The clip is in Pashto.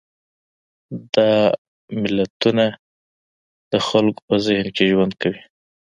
دا ملتونه د خلکو په ذهن کې ژوند کوي.